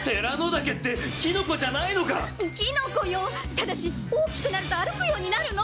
ただしおおきくなるとあるくようになるの。